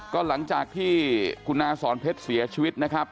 ก็หลังจากที่คุณอาสอนเพชรเสียชีวิตนะครับ